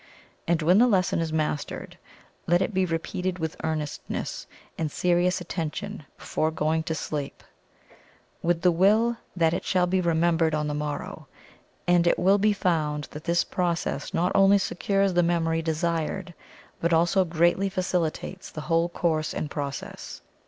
And when the lesson is mastered, let it be repeated with earnestness and serious attention before going to sleep, with the Will that it shall be remembered on the morrow. And it will be found that this process not only secures the memory desired, but also greatly facilitates the whole course and process.